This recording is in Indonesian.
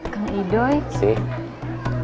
kean edhoi super iya